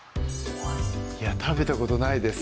食べたことないです